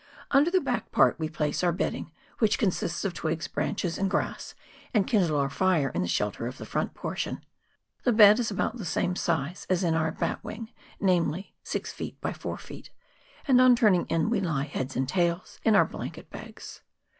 Under the back part we place our bedding, which consists of twigs, branches, and grass, and kindle our fire in the shelter of the front portion. The bed is about the same size as in our bat wing, namely, six feet by four feet, and on turning in we lie "heads and tails" in our blanket bags.